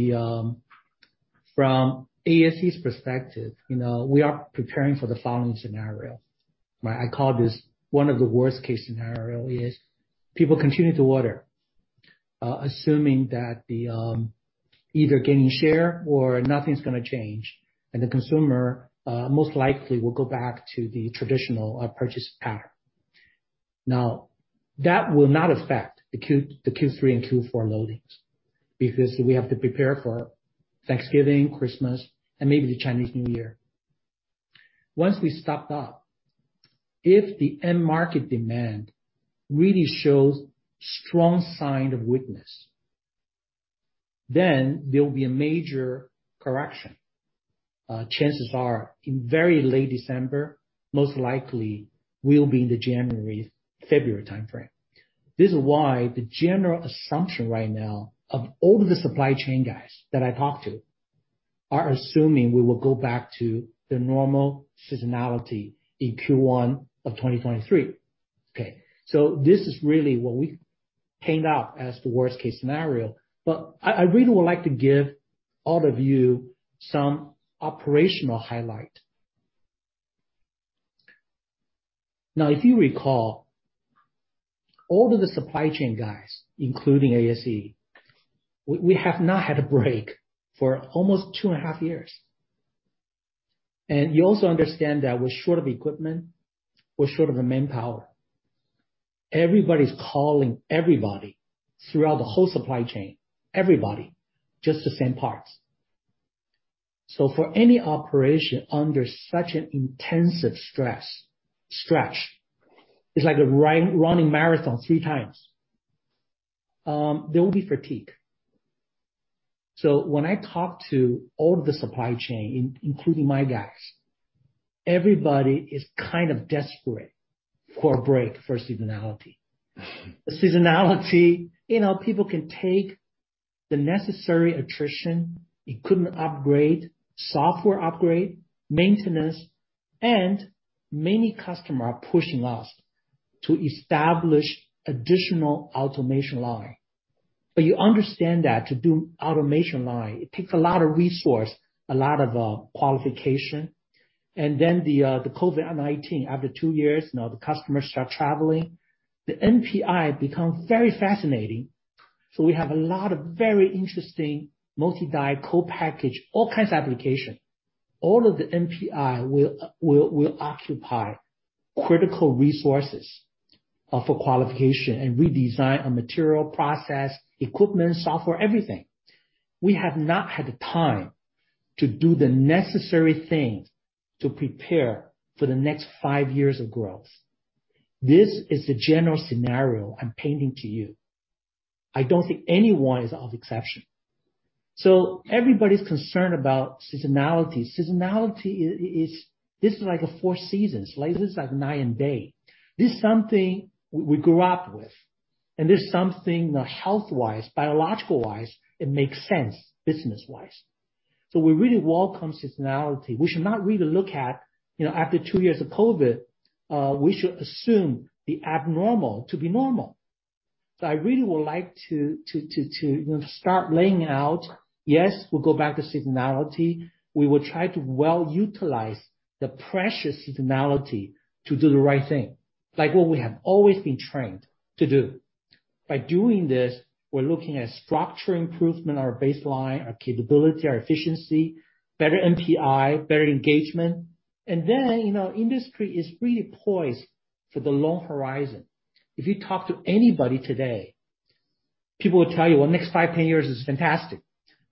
from ASE's perspective, you know, we are preparing for the following scenario. I call this one of the worst case scenario is people continue to order, assuming that either gaining share or nothing's gonna change, and the consumer most likely will go back to the traditional purchase pattern. Now, that will not affect the Q3 and Q4 loadings, because we have to prepare for Thanksgiving, Christmas, and maybe the Chinese New Year. Once we stocked up, if the end market demand really shows strong sign of weakness, then there will be a major correction. Chances are in very late December, most likely will be in the January, February timeframe. This is why the general assumption right now of all of the supply chain guys that I talk to are assuming we will go back to the normal seasonality in Q1 of 2023. Okay? This is really what we point out as the worst case scenario, but I really would like to give all of you some operational highlight. Now, if you recall, all of the supply chain guys, including ASE, we have not had a break for almost two and a half years. You also understand that we're short of equipment, we're short of the manpower. Everybody's calling everybody throughout the whole supply chain, everybody, just the same parts. For any operation under such an intensive stress-stretch, it's like running marathon three times, there will be fatigue. When I talk to all the supply chain, including my guys, everybody is kind of desperate for a break, for seasonality. Seasonality, you know, people can take the necessary attrition, equipment upgrade, software upgrade, maintenance, and many customers are pushing us to establish additional automation line. You understand that to do automation line, it takes a lot of resource, a lot of qualification. Then the COVID-19, after two years, now the customers start traveling. The NPI becomes very fascinating, so we have a lot of very interesting multi-die co-package, all kinds of application. All of the NPI will occupy critical resources for qualification and redesign on material, process, equipment, software, everything. We have not had the time to do the necessary things to prepare for the next five years of growth. This is the general scenario I'm painting to you. I don't think anyone is of exception. Everybody's concerned about seasonality. Seasonality is this is like a four seasons. Like, this is like night and day. This is something we grew up with, and this is something health-wise, biological-wise, it makes sense business-wise. We really welcome seasonality. We should not really look at, you know, after two years of COVID, we should assume the abnormal to be normal. I really would like to, you know, start laying out, yes, we'll go back to seasonality. We will try to well utilize the precious seasonality to do the right thing, like what we have always been trained to do. By doing this, we're looking at structure improvement, our baseline, our capability, our efficiency, better NPI, better engagement. Then, you know, industry is really poised for the long horizon. If you talk to anybody today, people will tell you, "Well, next five, 10 years is fantastic,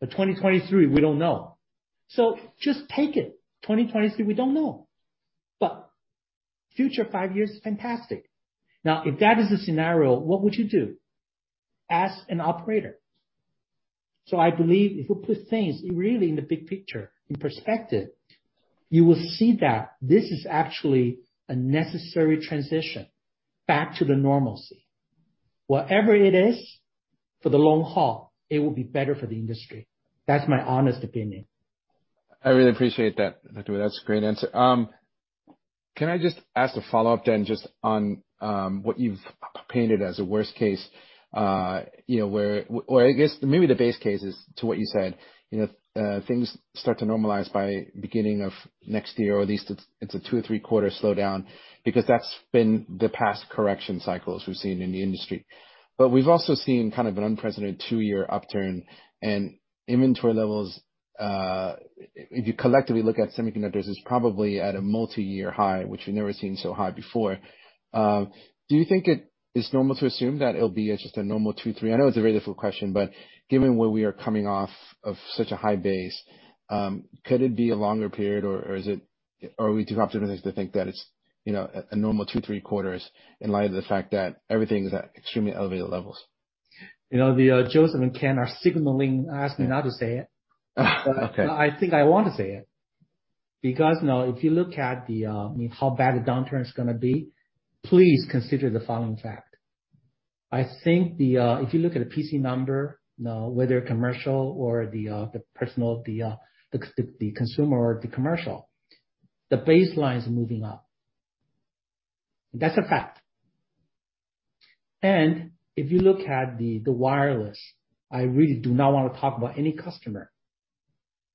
but 2023, we don't know." Just take it. 2023, we don't know. Future five years, fantastic. Now, if that is the scenario, what would you do as an operator? I believe if we put things really in the big picture, in perspective, you will see that this is actually a necessary transition back to the normalcy. Whatever it is, for the long haul, it will be better for the industry. That's my honest opinion. I really appreciate that. That's a great answer. Can I just ask a follow-up then, just on what you've painted as a worst case, you know, or I guess maybe the base case as to what you said. You know, things start to normalize by beginning of next year, or at least it's a two or three quarter slowdown, because that's been the past correction cycles we've seen in the industry. We've also seen kind of an unprecedented two-year upturn. Inventory levels, if you collectively look at semiconductors, is probably at a multi-year high, which we've never seen so high before. Do you think it is normal to assume that it'll be just a normal two, three quarter? I know it's a very difficult question, but given where we are coming off of such a high base, could it be a longer period or is it, are we too optimistic to think that it's, you know, a normal two, three quarters in light of the fact that everything is at extremely elevated levels? You know, the Joseph Tung and Ken Hsiang are signaling, asking me not to say it. Okay. I think I want to say it. You know, if you look at how bad the downturn is gonna be, please consider the following fact. I think if you look at the PC number, you know, whether commercial or personal, consumer or commercial, the baseline is moving up. That's a fact. If you look at the wireless, I really do not wanna talk about any customer.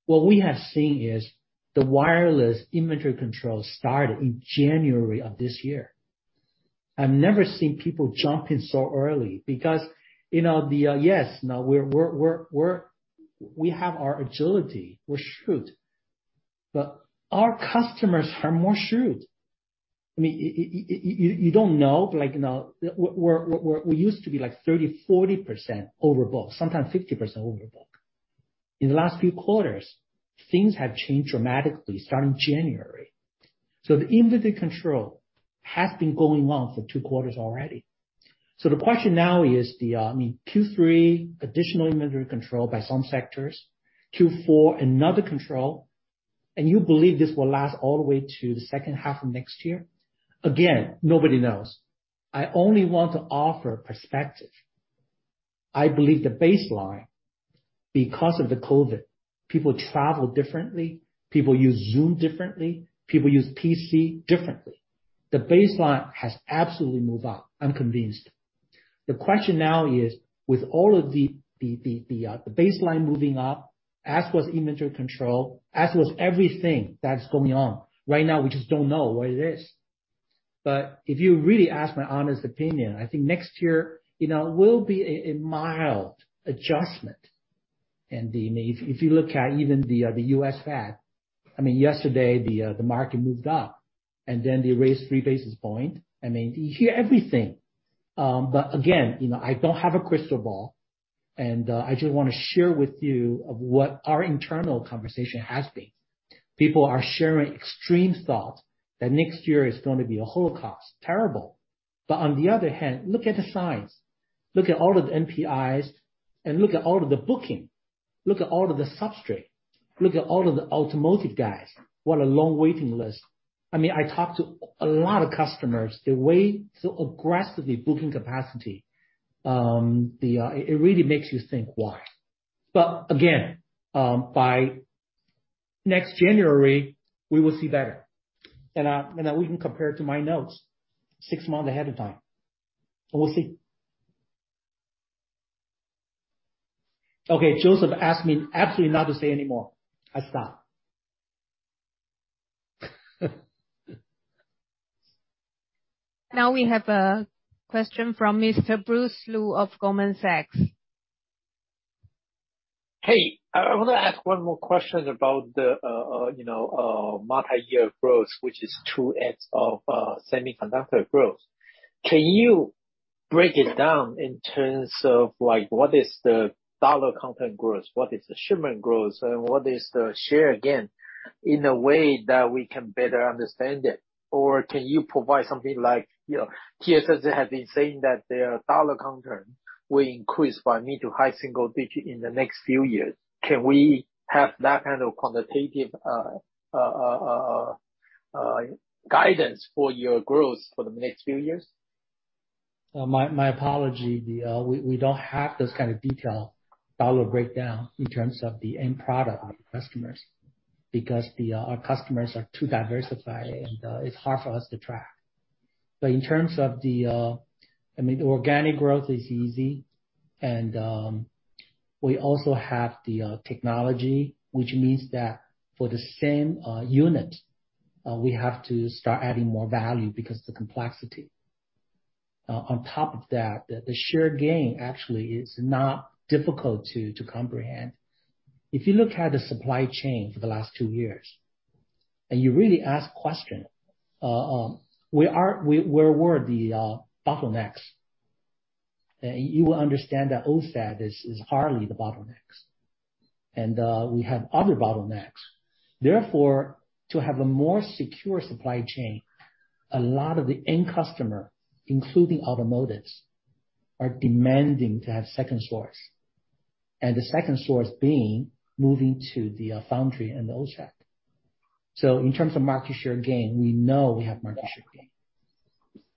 What we have seen is the wireless inventory control started in January of this year. I've never seen people jump in so early. You know, yes, you know, we have our agility, we're shrewd. Our customers are more shrewd. I mean, you don't know, but like, you know, we used to be like 30%, 40% overbooked, sometimes 50% overbooked. In the last few quarters, things have changed dramatically starting January. The inventory control has been going on for two quarters already. The question now is the, I mean, Q3 additional inventory control by some sectors, Q4, another control. You believe this will last all the way to the second half of next year? Again, nobody knows. I only want to offer perspective. I believe the baseline, because of the COVID, people travel differently, people use Zoom differently, people use PC differently. The baseline has absolutely moved up, I'm convinced. The question now is, with all of the baseline moving up, as with inventory control, as with everything that's going on. Right now we just don't know what it is. If you really ask my honest opinion, I think next year, you know, will be a mild adjustment. I mean, if you look at even the U.S. Fed. I mean, yesterday the market moved up, and then they raised three basis points. You hear everything. Again, you know, I don't have a crystal ball, and I just wanna share with you what our internal conversation has been. People are sharing extreme thoughts that next year is gonna be a holocaust. Terrible. On the other hand, look at the signs. Look at all of the NPIs and look at all of the booking. Look at all of the substrate. Look at all of the automotive guys, what a long waiting list. I mean, I talked to a lot of customers, the way they're aggressively booking capacity, it really makes you think, "Why?" Again, by next January, we will see better. Then we can compare to my notes six months ahead of time. We'll see. Okay, Joseph asked me absolutely not to say anymore. I stop. Now we have a question from Mr. Bruce Lu of Goldman Sachs. Hey, I wanna ask one more question about the, you know, multi-year growth, which is 2x of, semiconductor growth. Can you break it down in terms of like what is the dollar content growth, what is the shipment growth, and what is the share gain in a way that we can better understand it? Or can you provide something like, you know, TSMC has been saying that their dollar content will increase by mid- to high-single-digit in the next few years. Can we have that kind of quantitative guidance for your growth for the next few years? My apology. We don't have this kind of detailed dollar breakdown in terms of the end product of the customers. Because our customers are too diversified, and it's hard for us to track. In terms of, I mean, organic growth is easy. We also have the technology, which means that for the same unit, we have to start adding more value because of the complexity. On top of that, the share gain actually is not difficult to comprehend. If you look at the supply chain for the last two years, and you really ask question, where were the bottlenecks? You will understand that OSAT is hardly the bottlenecks. We have other bottlenecks. Therefore, to have a more secure supply chain, a lot of the end customer, including automotives, are demanding to have second source. The second source being moving to the foundry and the OSAT. In terms of market share gain, we know we have market share gain,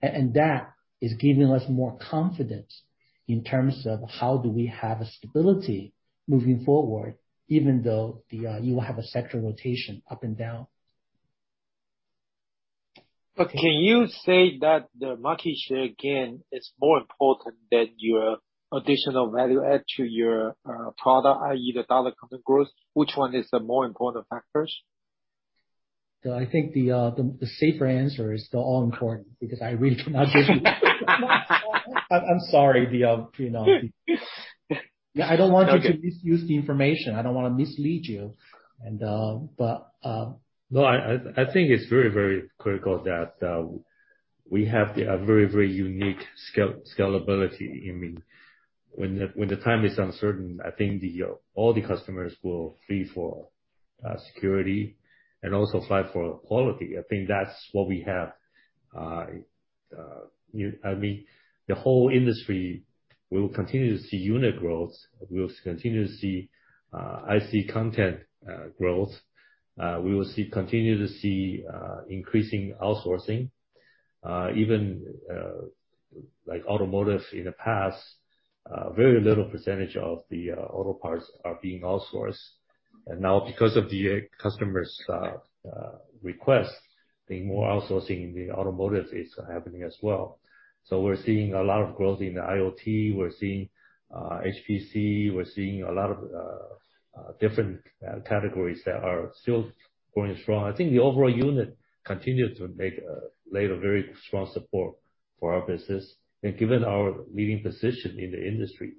and that is giving us more confidence in terms of how do we have a stability moving forward, even though you will have a sector rotation up and down. Okay. Can you say that the market share, again, is more important than your additional value add to your product, i.e. the dollar content growth? Which one is the more important factors? I think the safer answer is they're all important because I really cannot give you. I'm sorry, you know. Yeah, I don't want you to- Okay.... misuse the information. I don't wanna mislead you. No, I think it's very, very critical that we have a very, very unique scalability. I mean, when the time is uncertain, I think all the customers will feel for security and also fight for quality. I think that's what we have. I mean, the whole industry will continue to see unit growth, will continue to see IC content growth. We will continue to see increasing outsourcing. Even like automotive in the past, very little percentage of the auto parts are being outsourced. Now because of the customers' request, more outsourcing in the automotive is happening as well. We're seeing a lot of growth in the IoT. We're seeing HPC, a lot of different categories that are still going strong. I think the overall unit continues to lay a very strong support for our business. Given our leading position in the industry,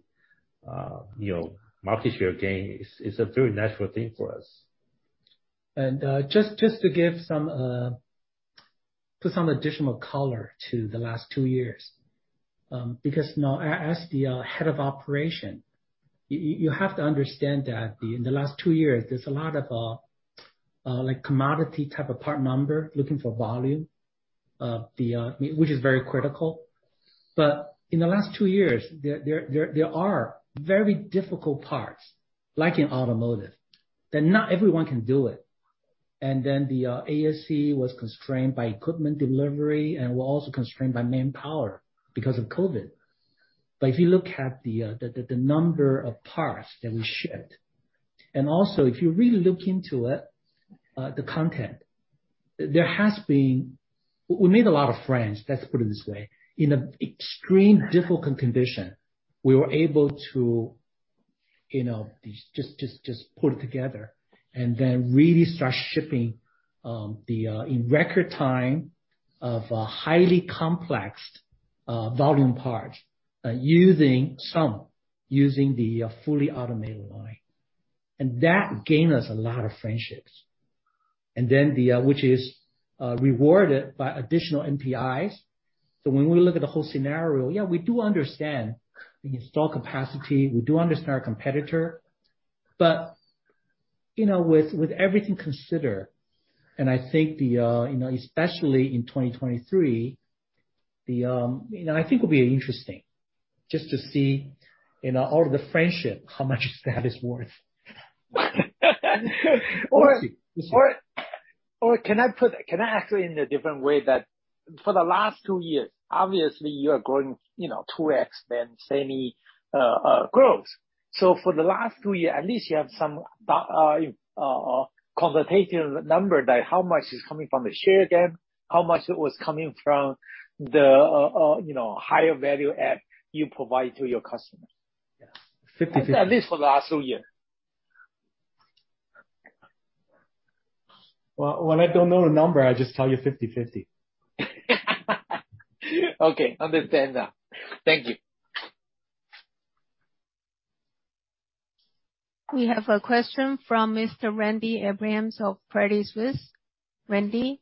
you know, market share gain is a very natural thing for us. Just to put some additional color to the last two years, because now as the head of operations, you have to understand that in the last two years there's a lot of like commodity type of part number looking for volume, which is very critical. In the last two years, there are very difficult parts, like in automotive, that not everyone can do it. Then ASE was constrained by equipment delivery, and we're also constrained by manpower because of COVID. If you look at the number of parts that we shipped, and also if you really look into it, the content, there has been. We made a lot of friends, let's put it this way. In an extremely difficult condition, we were able to, you know, just pull it together and then really start shipping in record time a highly complex high-volume parts using the fully automated line. That gained us a lot of friendships, which is rewarded by additional NPIs. When we look at the whole scenario, yeah, we do understand the installed capacity, we do understand our competitor. You know, with everything considered, and I think, you know, especially in 2023, I think it'll be interesting just to see, you know, all of the friendship, how much that is worth. Can I ask you in a different way? For the last two years, obviously you are growing, you know, 2x than semi growth. For the last two years, at least you have some computational number that how much is coming from the share gain, how much it was coming from the, you know, higher value add you provide to your customers. Yes. At least for the last two years. Well, when I don't know the number, I just tell you 50/50. Okay. Understand that. Thank you. We have a question from Mr. Randy Abrams of Credit Suisse. Randy?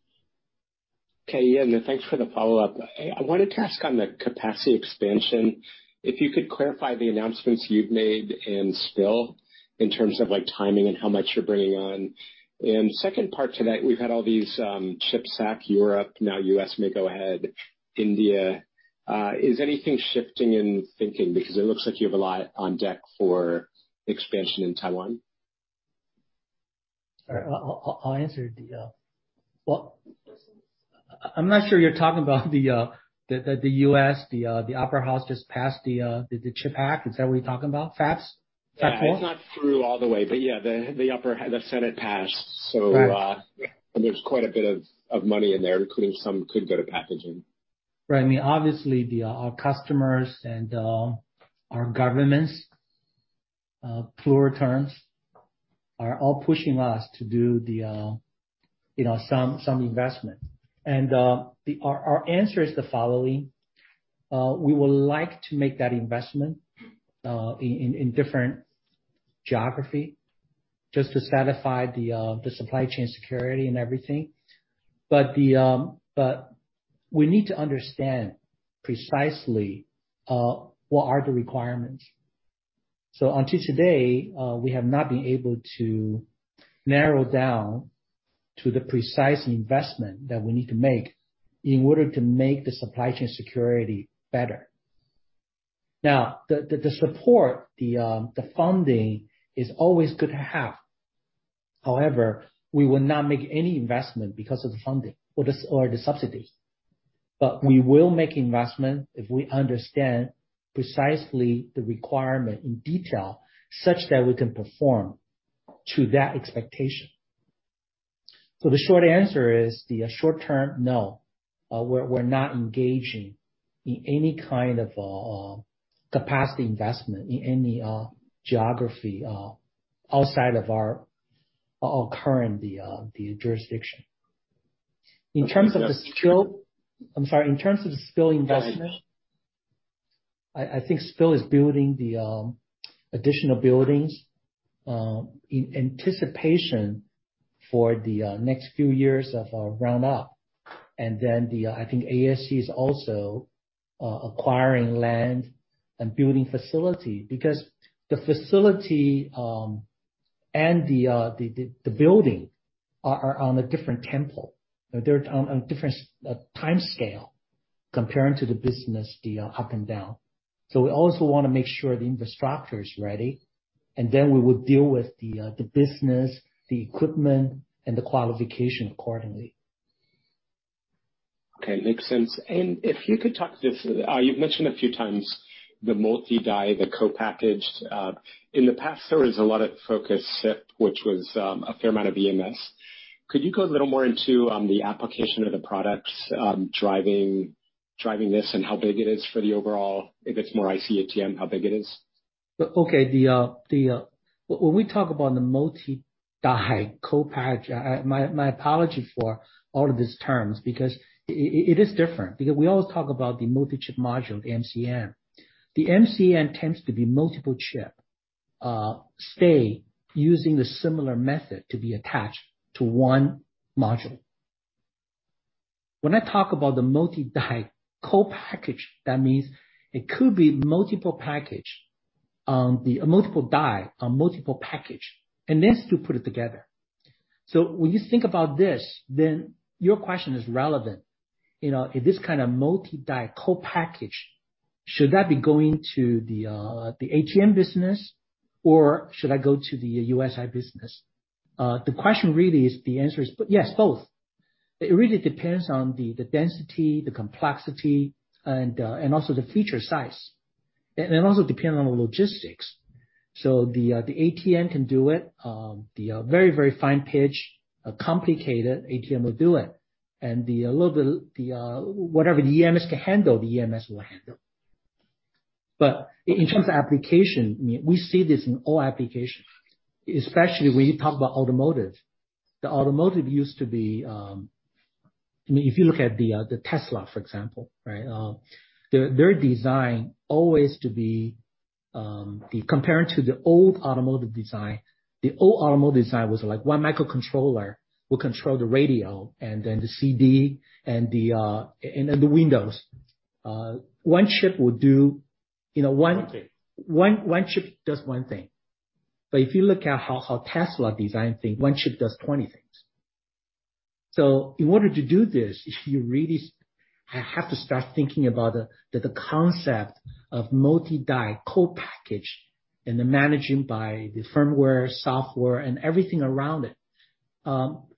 Okay. Yeah, thanks for the follow-up. I wanted to ask on the capacity expansion, if you could clarify the announcements you've made in SPIL in terms of like timing and how much you're bringing on. Second part to that, we've had all these, CHIPS Act, Europe, now U.S. may go ahead, India. Is anything shifting in thinking? Because it looks like you have a lot on deck for expansion in Taiwan. All right. Well, I'm not sure you're talking about the U.S., the upper house just passed the CHIPS Act. Is that what you're talking about? FABS? Is that more? Yeah. It's not through all the way, but yeah, the upper, the Senate passed. Right. There's quite a bit of money in there, including some could go to packaging. Right. I mean, obviously our customers and our governments, plural terms, are all pushing us to do the, you know, some investment. Our answer is the following. We would like to make that investment in different geography just to satisfy the supply chain security and everything. We need to understand precisely what are the requirements. Until today, we have not been able to narrow down to the precise investment that we need to make in order to make the supply chain security better. Now, the support, the funding is always good to have. However, we will not make any investment because of the funding or the subsidies. We will make investment if we understand precisely the requirement in detail such that we can perform to that expectation. The short answer is in the short term, no. We're not engaging in any kind of capacity investment in any geography outside of our current jurisdiction. In terms of the SPIL investment, I think SPIL is building additional buildings in anticipation of the next few years of our ramp up. Then I think ASE is also acquiring land and building facilities. Because the facilities and the buildings are on a different timeline. They're on a different timescale compared to the business, the ups and downs. We also wanna make sure the infrastructure is ready, and then we would deal with the business, the equipment, and the qualification accordingly. Okay. Makes sense. If you could talk to this. You've mentioned a few times the multi-die, the co-packaged. In the past, there was a lot of focus, which was a fair amount of EMS. Could you go a little more into the application of the products, driving this and how big it is for the overall, if it's more IC ATM, how big it is? Okay. When we talk about the multi-die co-package, my apology for all of these terms, because it is different. Because we always talk about the multi-chip module, the MCM. The MCM tends to be multiple chip stay using the similar method to be attached to one module. When I talk about the multi-die co-package, that means it could be multiple package, multiple die on multiple package, and these two put it together. When you think about this, then your question is relevant. You know, this kind of multi-die co-package, should that be going to the ATM business or should that go to the USI business? The question really is, the answer is yes, both. It really depends on the density, the complexity, and also the feature size. It also depends on the logistics. The ATM can do it. The very fine pitch, a complicated ATM will do it. The little, whatever the EMS can handle, the EMS will handle. In terms of application, we see this in all applications, especially when you talk about automotive. The automotive used to be. I mean, if you look at the Tesla, for example, right? Their design always to be compared to the old automotive design, the old automotive design was like one microcontroller will control the radio and then the CD and then the windows. One chip will do, you know, one. One thing. One chip does one thing. If you look at how Tesla designs things, one chip does 20 things. In order to do this, you really have to start thinking about the concept of multi-die package and the managing by the firmware, software, and everything around it.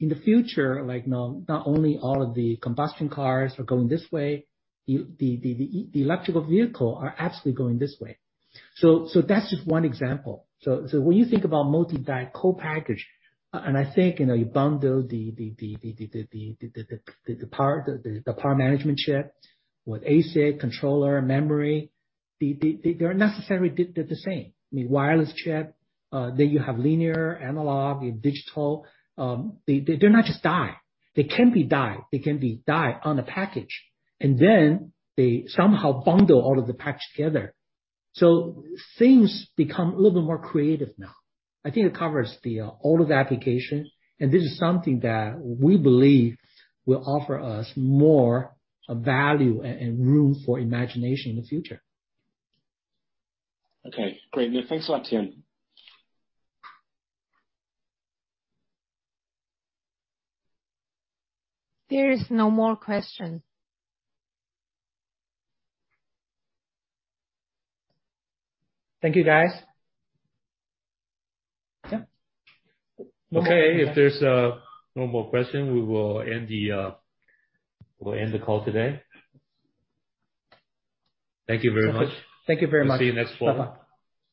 In the future, like, you know, not only all of the combustion cars are going this way, the electric vehicles are absolutely going this way. That's just one example. When you think about multi-die package, I think, you know, you bundle the power management chip with ASIC, controller, memory, they're not necessarily the same. I mean, wireless chip, then you have linear, analog, you have digital. They're not just die. They can be die. They can be dies on a package, and then they somehow bundle all of the packages together. Things become a little bit more creative now. I think it covers all of the applications, and this is something that we believe will offer us more value and room for imagination in the future. Okay, great. Thanks a lot, Tien. There is no more question. Thank you, guys. Yeah. Okay. If there's no more question, we will end the call today. Thank you very much. Thank you very much. We'll see you next quarter.